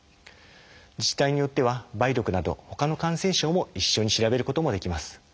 自治体によっては梅毒などほかの感染症も一緒に調べることもできます。